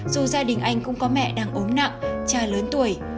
dù gia đình anh cũng có mẹ đang ốm nặng cha lớn tuổi